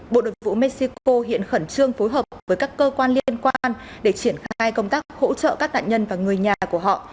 bộ đội vụ mexico hiện khẩn trương phối hợp với các cơ quan liên quan để triển khai công tác hỗ trợ các nạn nhân và người nhà của họ